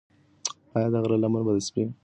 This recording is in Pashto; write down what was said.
ایا د غره لمنه به د سپي له غپا څخه خالي شي؟